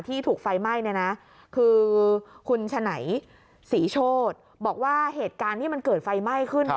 ที่ถูกไฟไหม้เนี่ยนะคือคุณฉนายศรีโชฎบอกว่าเหตุการณ์ที่มันเกิดไฟไหม้ขึ้น